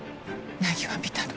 凪は見たの。